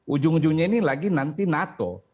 ujung ujungnya ini lagi nanti nato